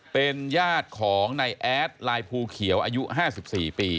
เป็นญาติของนายแอดลายภูเขียวอายุ๕๔ปี